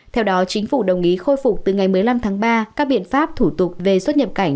theo đó chính phủ đồng ý khôi phục từ ngày một mươi năm tháng ba các biện pháp thủ tục về xuất nhập cảnh